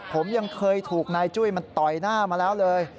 ผมยังเคยถูกนายจุ้ยมันต่อยหน้ามาแล้วเลย